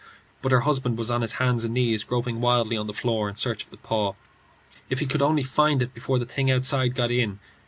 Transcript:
But her husband was on his hands and knees groping wildly on the floor in search of the paw. If he could only find it before the thing outside got in.